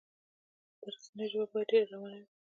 د رسنیو ژبه باید ډیره روانه وي.